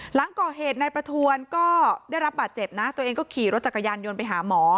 หลังก่อเหตุนายประทวนก็ได้รับบาดเจ็บนะตัวเองก็ขี่รถจักรยานยนต์ไปหาหมอ